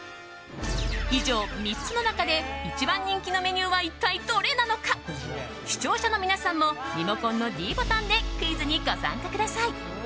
以上、３つの中で一番人気のメニューは一体どれなのか視聴者の皆さんもリモコンのｄボタンでクイズにご参加ください。